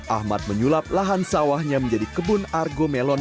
ahmad menyulap lahan sawahnya menjadi kebun argo melon